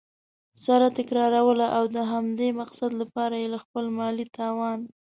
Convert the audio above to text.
سره تكراروله؛ او د همدې مقصد له پاره یي له خپل مالي توان